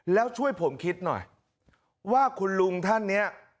แล้วช่วยผมคิดหน่อยว่าคุณลุงท่านเนี่ย